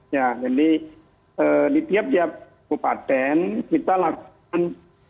ya jadi di tiap tiap kabupaten kita lakukan